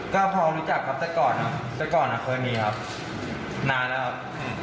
ก็พอรู้จักครับแต่ก่อนคราวนี้ครับนานครับ